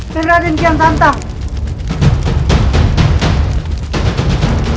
dan raden kian santak